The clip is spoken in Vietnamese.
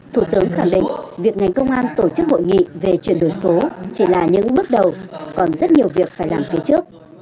thủ tướng khẳng định việc ngành công an tổ chức hội nghị về chuyển đổi số chỉ là những bước đầu còn rất nhiều việc phải làm phía trước